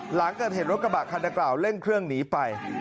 หลังเกิดเห็นรถกระบะคันดังกล่าวเร่งเครื่องหนีไป